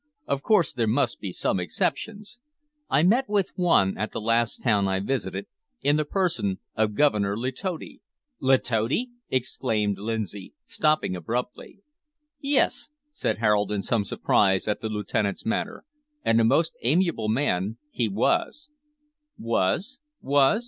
Of course there must be some exceptions. I met with one, at the last town I visited, in the person of Governor Letotti." "Letotti!" exclaimed Lindsay, stopping abruptly. "Yes!" said Harold, in some surprise at the lieutenant's manner, "and a most amiable man he was " "Was! was!